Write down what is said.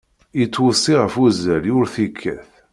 Yettweṣṣi ɣef wuzzal ur t-yekkat.